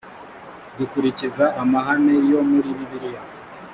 dukurikiza amahame yo muri bibiliya